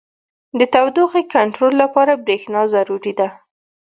• د تودوخې کنټرول لپاره برېښنا ضروري ده.